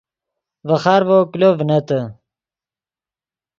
ڤے خارڤو کلو ڤنتے